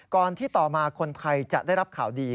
ที่ต่อมาคนไทยจะได้รับข่าวดี